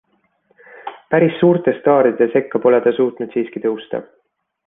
Päris suurte staaride sekka pole ta suutnud siiski tõusta.